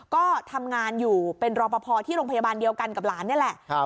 ก็ทำงานอยู่เป็นรอปภที่โรงพยาบาลเดียวกันกับหลานนี่แหละ